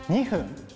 ２分？